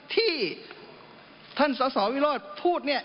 ที่ท่านสสวิโรธพูดเนี่ย